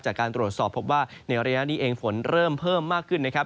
จากการตรวจสอบพบว่าในระยะนี้เองฝนเริ่มเพิ่มมากขึ้นนะครับ